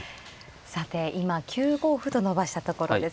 さて今９五歩と伸ばしたところです。